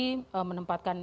yang menempatkan kasus ini